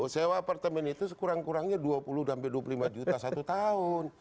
sewa apartemen itu sekurang kurangnya dua puluh dua puluh lima juta satu tahun